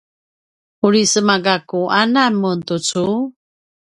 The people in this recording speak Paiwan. uri sema gakku anan mun tucu?